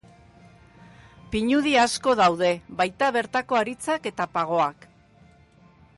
Pinudi asko daude, baita bertako haritzak eta pagoak.